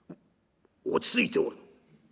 「落ち着いておる。